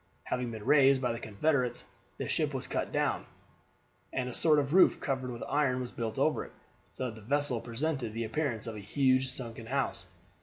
Having been raised by the Confederates, the ship was cut down, and a sort of roof covered with iron was built over it, so that the vessel presented the appearance of a huge sunken house.